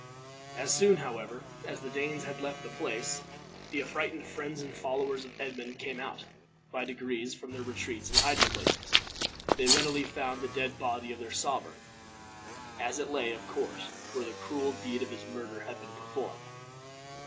As soon, however, as the Danes had left the place, the affrighted friends and followers of Edmund came out, by degrees, from their retreats and hiding places. They readily found the dead body of their sovereign, as it lay, of course, where the cruel deed of his murder had been performed.